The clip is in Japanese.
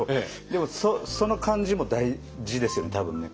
でもその感じも大事ですよね多分ね。